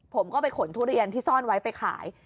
ผมก็ไปขนทุเรียนที่ซ่อนไว้ไปขาย